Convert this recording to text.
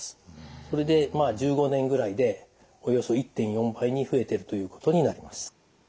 それで１５年ぐらいでおよそ１．４倍に増えてるということになります。